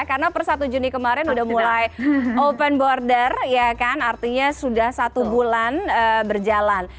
karena per satu juni kemarin sudah mulai open border artinya sudah satu bulan berjalan